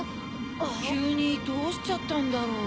きゅうにどうしちゃったんだろう？